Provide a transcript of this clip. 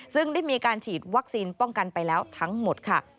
ซึ่งได้มีการฉีดวัคซีนป้องกันไปแล้วทั้งหมดค่ะ